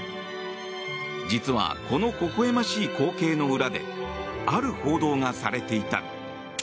実はこのほほ笑ましい光景の裏である報道がされていた。